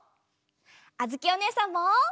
あづきおねえさんも！